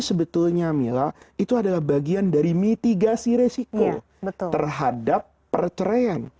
sebetulnya mila itu adalah bagian dari mitigasi resiko terhadap perceraian